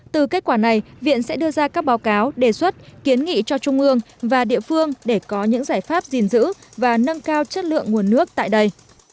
từ kết quả này viện sẽ đưa ra các báo cáo đề xuất kiến nghị cho trung ương và địa phương để có những giải pháp gìn giữ và nâng cao chất lượng nguồn nước tại đây